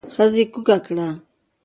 ښځې کوکه کړه.